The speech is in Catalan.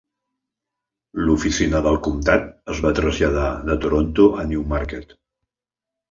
L'oficina del comtat es va traslladar de Toronto a Newmarket.